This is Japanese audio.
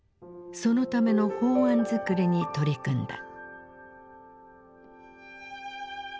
そのための法案作りに取り組んだ。